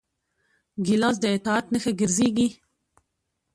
ګیلاس د اطاعت نښه ګرځېږي.